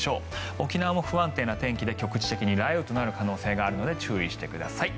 沖縄も不安定な天気で、局地的に雷雨となる可能性があるので注意してください。